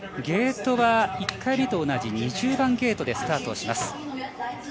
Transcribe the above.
ゲートは１回目と同じ２０番ゲートでスタートします。